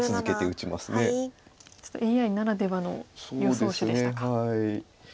ちょっとＡＩならではの予想手でしたか。